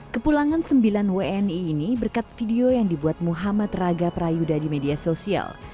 kepulangan sembilan wni ini berkat video yang dibuat muhammad raga prayuda di media sosial